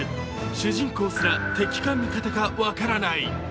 主人公すら、敵か味方か分からない。